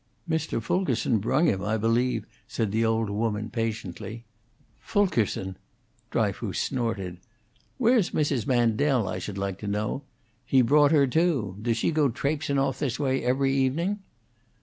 "Mr. Fulkerson brung him, I believe," said the old woman, patiently. "Fulkerson!" Dryfoos snorted. "Where's Mrs. Mandel, I should like to know? He brought her, too. Does she go traipsin' off this way every evening?"